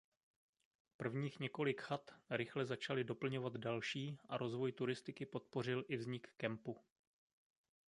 Prvních několik chat rychle začaly doplňovat další a rozvoj turistiky podpořil i vznik kempu.